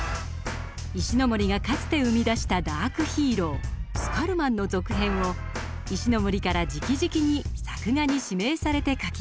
石森がかつて生み出したダークヒーロー「スカルマン」の続編を石森からじきじきに作画に指名されて描きました。